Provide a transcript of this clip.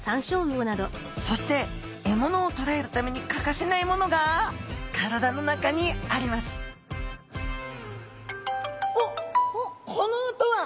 そしてえものをとらえるために欠かせないものが体の中にあります・おっこの音は！